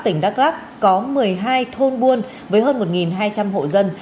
tỉnh đắk lắc có một mươi hai thôn buôn với hơn một hai trăm linh hộ dân